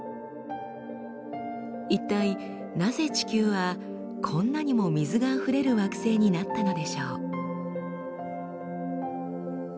一体なぜ地球はこんなにも水があふれる惑星になったのでしょう？